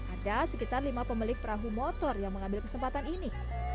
ada sekitar lima pemilik perahu motor yang mengambil kesempatan ini